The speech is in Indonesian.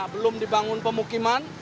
belum dibangun pemukiman